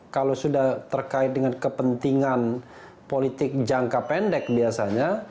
kalau sudah terkait dengan kepentingan politik jangka pendek biasanya